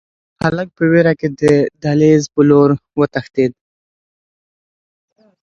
هلک په وېره کې د دهلېز په لور وتښتېد.